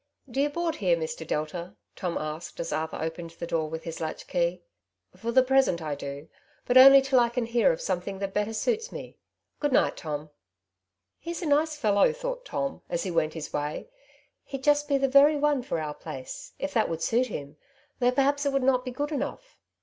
^^ Do you board here> Mr. Delta T '* Tom asked as Arthur opened the door With his latch key. ^' For the present I do, but only till I can hear of something that better suits mc; Good night, Tom." '^He's a nice fellow,'' thought Tom as he went his way ;" he'd just be the very one for our place, if that would suit him, though perhaps it would not be good enough."